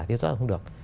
thì rất là không được